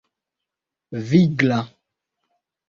vigla